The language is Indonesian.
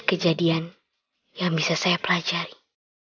kenapa gila kehendak lora